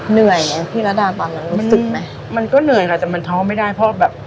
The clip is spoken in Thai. เหนื่อยไงพี่ระดาตอนนั้นรู้สึกไหมมันก็เหนื่อยค่ะแต่มันท้อไม่ได้เพราะแบบ